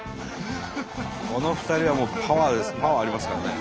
この２人はもうパワーありますからね。